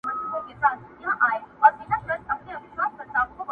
وږي نس ته یې لا ښکار نه وو میندلی.!